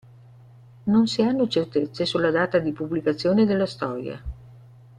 Non si hanno certezze sulla data di pubblicazione della storia.